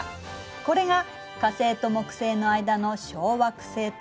これが火星と木星の間の小惑星帯。